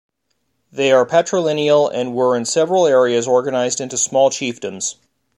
They are patrilineal and were in several areas organized into small chiefdoms.